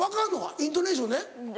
イントネーションで？